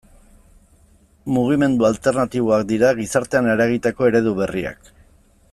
Mugimendu alternatiboak dira gizartean eragiteko eredu berriak.